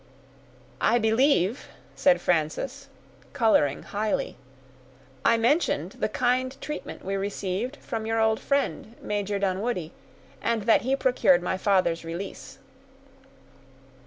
"I believe," said Frances, coloring highly, "I mentioned the kind treatment we received from your old friend, Major Dunwoodie; and that he procured my father's release."